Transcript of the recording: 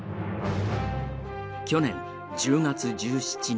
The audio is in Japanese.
去年１０月１７日。